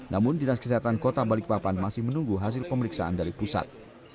namun dinas kesehatan kota balikpapan masih menunggu hasil pemeriksaan dari pusat